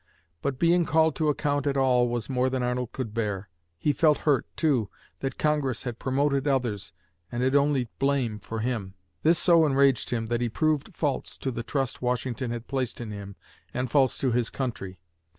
But being called to account at all was more than Arnold could bear. He felt hurt, too, that Congress had promoted others and had only blame for him. This so enraged him that he proved false to the trust Washington had placed in him and false to his country.